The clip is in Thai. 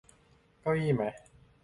เก้าอี้มั๊ย